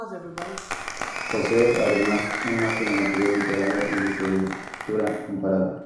Posee, además, un máster en Teoría Literaria y Literatura Comparada.